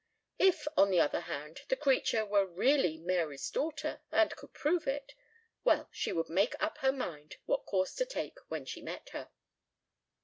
If, on the other hand, the creature were really Mary's daughter and could prove it well, she would make up her mind what course to take when she met her.